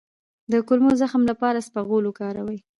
د کولمو د زخم لپاره اسپغول وکاروئ